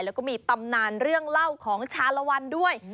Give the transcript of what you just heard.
แล้วก็มีตำนานเรื่องเล่าของชาลวันด้วย